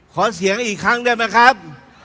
ขอเสียงอีกครั้งได้ไหมครับ